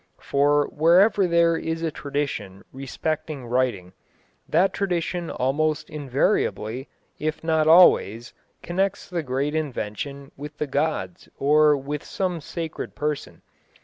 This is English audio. For wherever there is a tradition respecting writing, that tradition almost invariably, if not always, connects the great invention with the gods or with some sacred person.